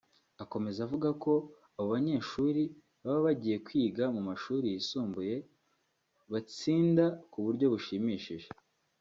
Akomeza avuga ko abo banyeshuri baba bagiye kwiga mu mashuri yisumbuye batsinda mu buryo bushimishije